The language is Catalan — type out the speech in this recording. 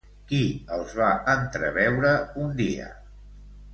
Qui els va entreveure, un dia?